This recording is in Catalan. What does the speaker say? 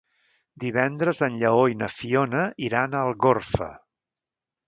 Divendres en Lleó i na Fiona iran a Algorfa.